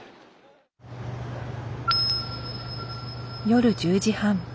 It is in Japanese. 夜１０時半。